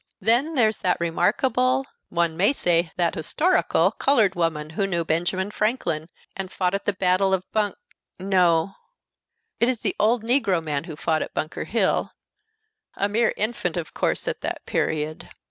Then there's that remarkable, one may say that historical colored woman who knew Benjamin Franklin, and fought at the battle of Bunk no, it is the old negro man who fought at Bunker Hill, a mere infant, of course, at that period.